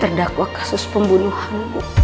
terdakwa kasus pembunuhan bu